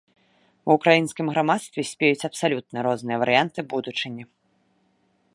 Ва ўкраінскім грамадстве спеюць абсалютна розныя варыянты будучыні.